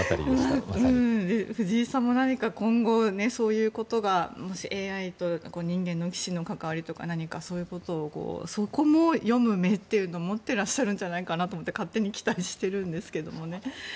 藤井さんも何か今後そういうことがもしＡＩと人間の棋士の関わりとか何かそういうことをそこも読む目というのを持ってらっしゃるんじゃないかって勝手に期待してるんですけどもね。